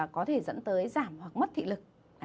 có thể dẫn tới giảm hoặc mất thị lực